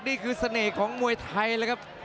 นี่คือเสน่ห์ของมวยไทยเลยครับ